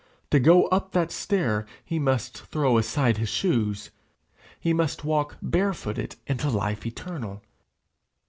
To go up that stair he must throw aside his shoes. He must walk bare footed into life eternal.